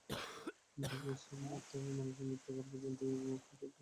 নিখিলেশের মতো মানুষ মৃত্যুকাল পর্যন্ত এই সংসারটাকে ইস্কুল বানিয়ে রেখে দিতে চায়।